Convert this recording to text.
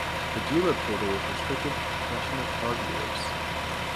The dealer portal is restricted to professional car dealers.